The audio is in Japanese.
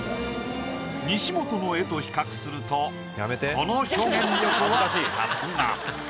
西本の絵と比較するとこの表現力はさすが。